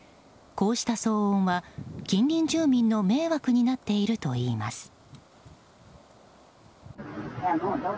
こうした騒音は近隣住民の迷惑になっているといいます。